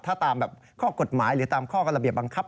ถ้าตามแบบข้อกฎหมายหรือตามข้อระเบียบบังคับ